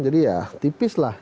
jadi ya tipis lah